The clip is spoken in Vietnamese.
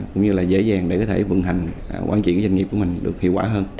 cũng như là dễ dàng để có thể vận hành quản trị doanh nghiệp của mình được hiệu quả hơn